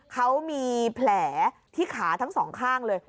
เขามีแผลที่ขาทั้งสองข้างเลย